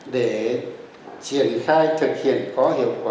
để triển khai thực hiện có hiệu quả